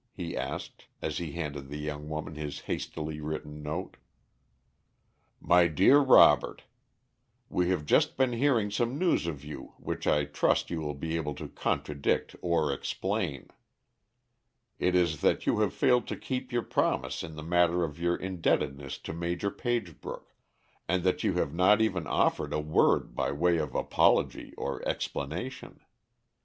he asked, as he handed the young woman this hastily written note. "MY DEAR ROBERT: We have just been hearing some news of you, which I trust you will be able to contradict or explain. It is that you have failed to keep your promise in the matter of your indebtedness to Major Pagebrook, and that you have not even offered a word by way of apology or explanation.